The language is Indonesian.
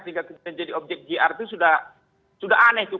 sehingga kemudian jadi objek gr itu sudah aneh tuh